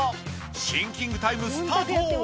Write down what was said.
「シンキングタイムスタート！」